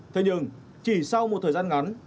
thế nhưng chỉ sau một thời gian ngắn